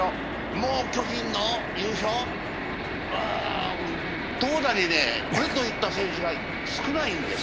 もう巨人の優勝、うーん投打にこれといった選手が少ないんです。